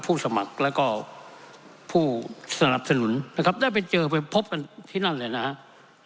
สมัครแล้วก็ผู้สนับสนุนนะครับได้ไปเจอไปพบกันที่นั่นเลยนะครับ